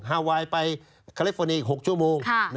ฮาวายไปคาเลฟอร์นีอีก๖ชั่วโมง